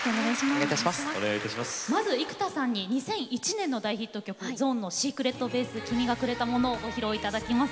まずは生田絵梨花さんには２００１年の大ヒット曲ＺＯＮＥの「ｓｅｃｒｅｔｂａｓｅ君がくれたもの」をご披露いただきます。